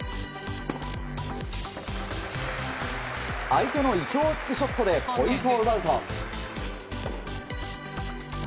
相手の意表を突くショットでポイントを奪うと。